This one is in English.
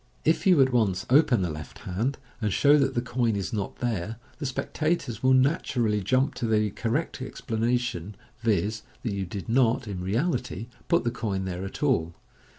If you at once open the left hand, and show that the coin is not there, the spectators will naturally jump to the correct explanation, viz., that you did not, in reality, put the coin there at all.